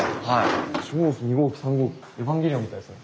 はい。